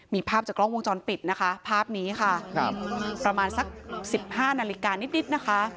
มีภาพจากกล้องวงจรปิดนะคะภาพนี้ค่ะประมาณสัก๑๕นาฬิกานิดนะคะ